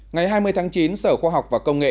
ngày hai mươi tháng chín sở khoa học và công nghệ